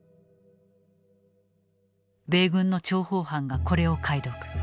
米軍の諜報班がこれを解読。